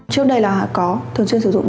trước đây là có thường xuyên sử dụng